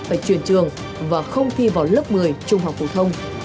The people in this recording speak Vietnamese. phải truyền trường và không thi vào lớp một mươi trung học phổ thông